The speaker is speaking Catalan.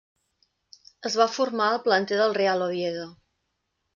Es va formar al planter del Real Oviedo.